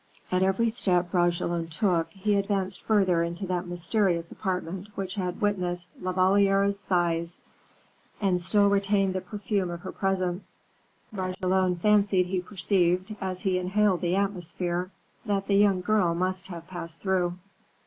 At every step Bragelonne took, he advanced further into that mysterious apartment which had witnessed La Valliere's sighs and still retained the perfume of her presence. Bragelonne fancied he perceived, as he inhaled the atmosphere, that the young girl must have passed through.